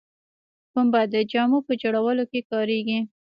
پنبه د جامو په جوړولو کې کاریږي